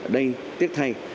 đây tiếc thay